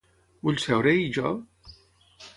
Vull seure-hi, jo?